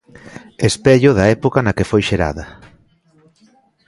Espello da época na que foi xerada.